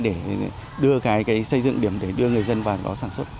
để đưa cái xây dựng điểm để đưa người dân vào đó sản xuất